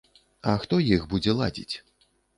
А хто іх будзе ладзіць?